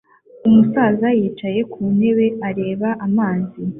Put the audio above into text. Umusaza yicaye ku ntebe ireba amazi